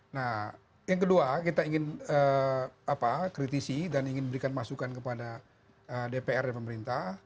nah yang kedua kita ingin kritisi dan ingin memberikan masukan kepada dpr dan pemerintah